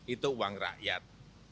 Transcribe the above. itu uang rakyat